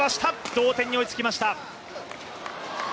同点に追いつきました。